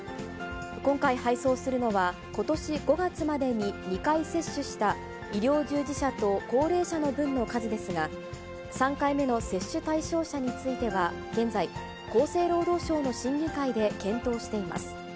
今回配送するのは、ことし５月までに２回接種した医療従事者と高齢者の分の数ですが、３回目の接種対象者については、現在、厚生労働省の審議会で検討しています。